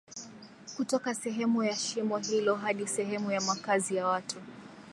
kutoka sehemu ya shimo hilo hadi sehemu ya makazi ya watu